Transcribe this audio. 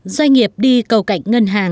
doanh nghiệp đi cầu cảnh ngân hàng